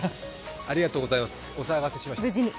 ありがとうございます、お騒がせしました。